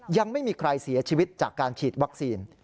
ยังไม่มีใครเสียชีวิตจากการฉีดวัคซีน